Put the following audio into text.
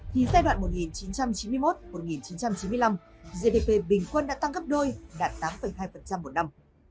thì giai đoạn một nghìn chín trăm chín mươi một một nghìn chín trăm chín mươi năm gdp bình quân đã tăng gấp đôi đạt tám hai một năm